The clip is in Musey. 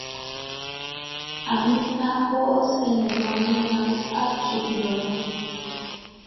Ami ka hoo sene mamina a jub ɗolla.